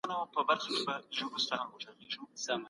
د غيبت په شکل د چا عزت مه خرابوئ.